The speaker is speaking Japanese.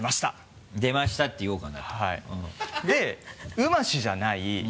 「うまし」じゃない